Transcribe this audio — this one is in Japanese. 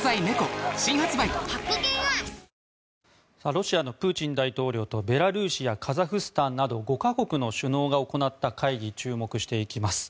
ロシアのプーチン大統領とベラルーシやカザフスタンなど５か国の首脳が行った会議注目していきます。